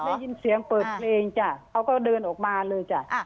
ได้ยินเสียงเปิดเพลงจ้ะเขาก็เดินออกมาเลยจ้ะ